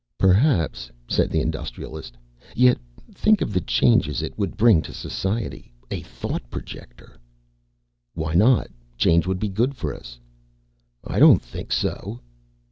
"Perhaps," said the Industrialist. "Yet think of the changes it would bring to society. A thought projector!" "Why not? Change would be good for us." "I don't think so."